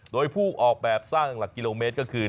โดยผู้ออกแบบสร้างหลักกิโลเมตรก็คือ